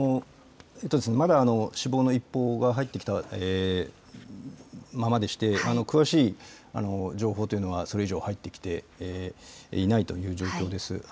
まだ死亡の一報が入ってきたままでして、詳しい情報というのは、それ以上入ってきていないという状況です。